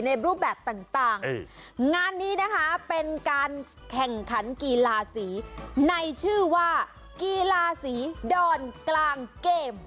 รูปแบบต่างงานนี้นะคะเป็นการแข่งขันกีฬาสีในชื่อว่ากีฬาสีดอนกลางเกม